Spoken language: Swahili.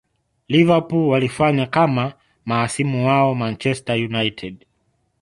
liverpool walifanya kama mahasimu wao manchester united